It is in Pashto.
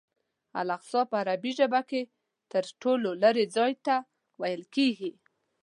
اقصی په عربي ژبه کې تر ټولو لرې ځای ته ویل کېږي.